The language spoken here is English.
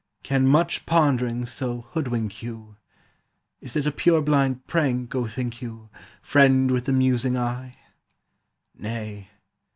Can much pondering so hoodwink you! Is it a purblind prank, O think you, Friend with the musing eye? Nay.